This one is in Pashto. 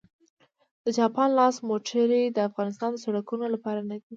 د جاپان لاس موټرې د افغانستان د سړکونو لپاره نه دي